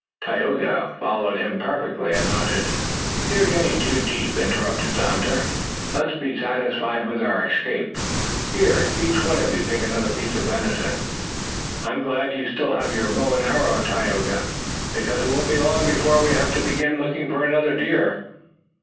Tayoga followed him perfectly and nodded. "You are getting too deep," interrupted the hunter. "Let's be satisfied with our escape. Here, each of you take another piece of venison. I'm glad you still have your bow and arrows, Tayoga, because it won't be long before we'll have to begin looking for another deer."